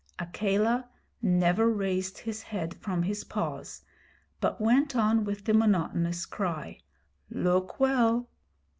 Akela never raised his head from his paws, but went on with the monotonous cry: 'Look well!'